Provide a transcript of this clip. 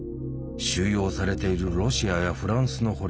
収容されているロシアやフランスの捕虜